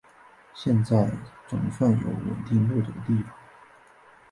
现在总算有稳定落脚的地方